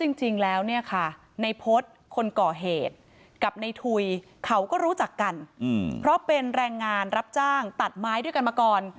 จริงแล้วเนี่ยค่ะในพฤษคนก่อเหตุกับในทุยเขาก็รู้จักกันเพราะเป็นแรงงานรับจ้างตัดไม้ด้วยกันมาก่อน